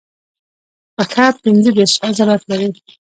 پښه پنځه دیرش عضلات لري.